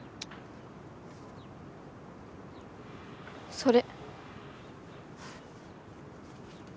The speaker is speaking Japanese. それ。